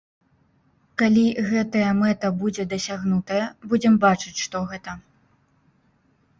Калі гэтая мэта будзе дасягнутая, будзем бачыць, што гэта.